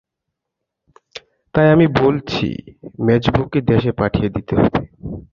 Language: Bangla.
তাই আমি বলছি, মেজোবউকে দেশে পাঠিয়ে দিতে হবে।